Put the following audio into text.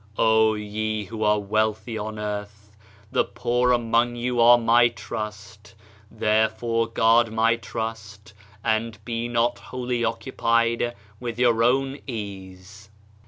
" O ye who are wealthy on earth, the poor among ye are my trust, therefore guard my trust, and be not wholly occupied with your own ease."